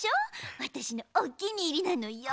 あたしのおきにいりなのよ。